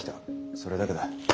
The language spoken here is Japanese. それだけだ。